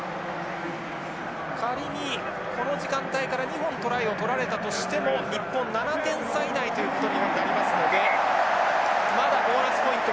仮にこの時間帯から２本トライを取られたとしても日本７点差以内ということにはなりますのでまだボーナスポイント